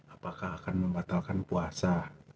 apakah akan membatalkan puasa